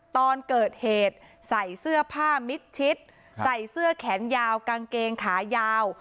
ตอนเกิดเหตุใส่เสื้อผ้ามิดชิดใส่เสื้อแขนยาวกางเกงขายาว